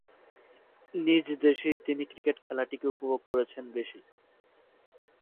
নিজ দেশেই তিনি ক্রিকেট খেলাটিকে উপভোগ করেছেন বেশি।